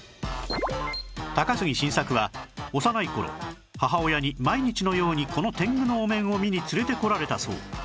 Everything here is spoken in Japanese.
高杉晋作は幼い頃母親に毎日のようにこの天狗のお面を見に連れてこられたそう